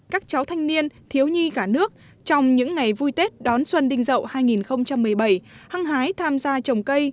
các cháu thanh niên thiếu nhi cả nước trong những ngày vui tết đón xuân đinh dậu hai nghìn một mươi bảy hăng hái tham gia trồng cây